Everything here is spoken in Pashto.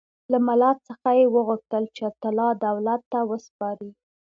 له ملت څخه یې وغوښتل چې طلا دولت ته وسپاري.